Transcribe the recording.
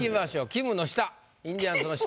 きむの下インディアンスの下。